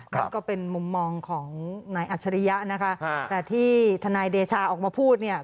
นั่นก็เป็นมุมมองของนายอัจฉริยะนะคะแต่ที่ทนายเดชาออกมาพูดเนี่ย